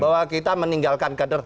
bahwa kita meninggalkan kader